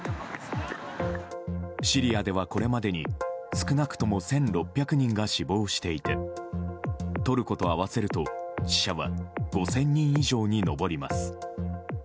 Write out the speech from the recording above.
シリアではこれまでに少なくとも１６００人が死亡していてトルコと合わせると死者は５０００人以上に上ります。